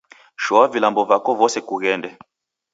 Shoa vilambo vako vose kughende